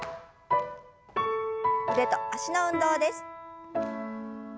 腕と脚の運動です。